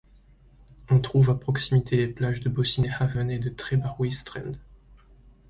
On trouve à proximité les plages de Bossiney Haven et de Trebarwith Strand.